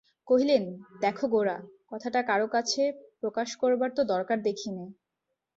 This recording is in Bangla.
কহিলেন, দেখো গোরা, কথাটা কারো কাছে প্রকাশ করবার তো দরকার দেখি নে।